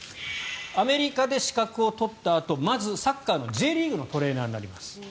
アメリカで資格を取ったあとまずサッカーのＪリーグのトレーナーになります。